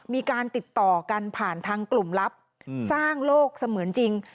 มีการติดต่อกันผ่านทางกลุ่มลับสร้างโลกเสมือนจริง